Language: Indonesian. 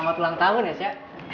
selamat ulang tahun ya chef